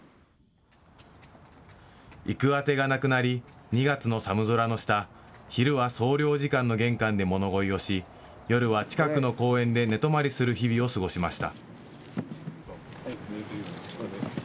行く当てがなくなり２月の寒空の下、昼は総領事館の玄関で物乞いをし夜は近くの公園で寝泊まりする日々を過ごしました。